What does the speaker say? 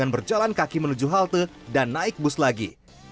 berjalan kaki menuju halte dan naik bus lagi